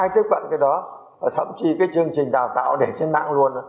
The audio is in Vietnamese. tiếp cận cái đó thậm chí cái chương trình đào tạo để trên mạng luôn